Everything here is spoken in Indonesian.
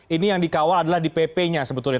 ini yang dikawal adalah di pp nya sebetulnya